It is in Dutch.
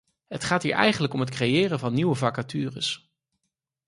Het gaat hier eigenlijk om het creëren van nieuwe vacatures.